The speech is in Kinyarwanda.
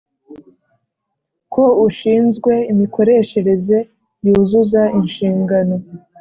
Ko ushinzwe imikoreshereze yuzuza inshingano